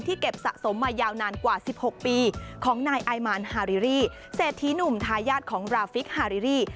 เก็บสะสมมายาวนานกว่า๑๖ปีของนายไอมานฮาริเศรษฐีหนุ่มทายาทของราฟิกฮาริ